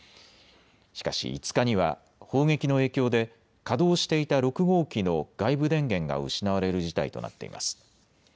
しかし５日には砲撃の影響で稼働していた６号機の外部電源が失われる事態となっています。